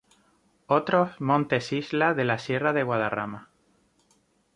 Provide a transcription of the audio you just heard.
Otros montes-isla de la Sierra de Guadarrama